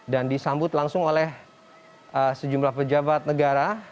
dan disambut langsung oleh sejumlah pejabat negara